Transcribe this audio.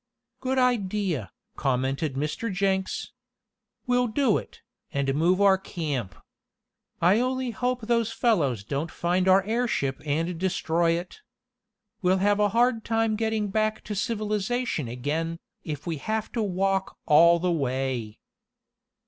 "Good idea," commented Mr. Jenks. "We'll do it, and move our camp. I only hope those fellows don't find our airship and destroy it. We'll have a hard time getting back to civilization again, if we have to walk all the way."